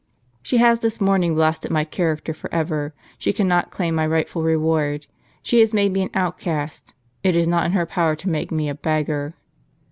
She has this morning blasted my character for ever ; she cannot claim my rightful reward ; she has made me an outcast ; it is not in her power to make me a beggar."